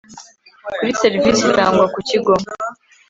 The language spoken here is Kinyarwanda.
kuri serivisi itangwa ku kigo